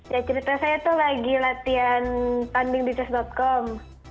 ya ceritanya saya itu lagi latihan tanding di chess com